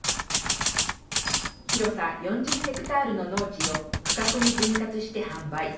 広さ４０ヘクタールの農地を区画に分割して販売。